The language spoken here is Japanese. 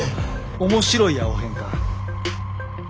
面白いやおへんか。